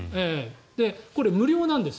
これ、無料なんです。